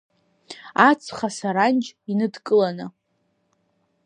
Ацха саранџь иныдкыланы…